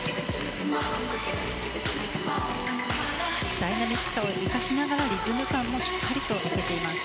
ダイナミックさを生かしながらリズム感もしっかりと出せています。